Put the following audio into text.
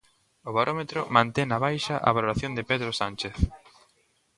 O barómetro mantén á baixa a valoración de Pedro Sánchez.